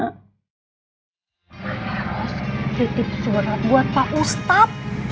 aku harus citip surat buat pak ustaz